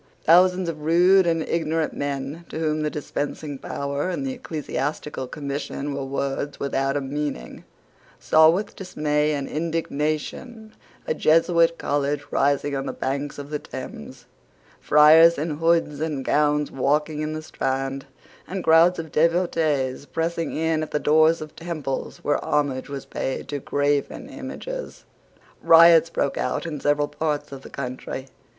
Thousands of rude and ignorant men, to whom the dispensing power and the Ecclesiastical Commission were words without a meaning, saw with dismay and indignation a Jesuit college rising on the banks of the Thames, friars in hoods and gowns walking in the Strand, and crowds of devotees pressing in at the doors of temples where homage was paid to graven images. Riots broke out in several parts of the country.